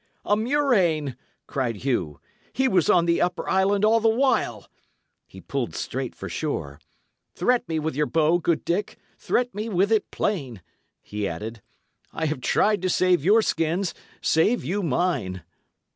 "A murrain!" cried Hugh. "He was on the upper island all the while!" He pulled straight for shore. "Threat me with your bow, good Dick; threat me with it plain," he added. "I have tried to save your skins, save you mine!"